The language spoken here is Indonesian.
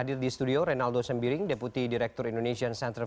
di studio ada mas dodo dari aisel